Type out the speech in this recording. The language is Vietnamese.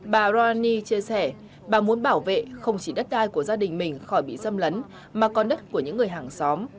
bà roani chia sẻ bà muốn bảo vệ không chỉ đất đai của gia đình mình khỏi bị xâm lấn mà còn đất của những người hàng xóm